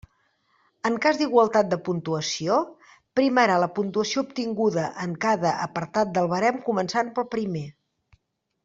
En cas d'igualtat de puntuació, primarà la puntuació obtinguda en cada apartat del barem començant pel primer.